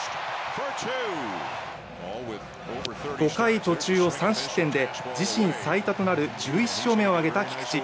５回途中を３失点で自身最多となる１１勝目を挙げた菊池。